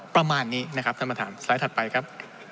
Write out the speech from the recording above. ประมาณนี้นะครับท่านประธานสไลด์ถัดไปครับ